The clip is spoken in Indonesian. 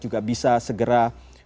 juga bisa segera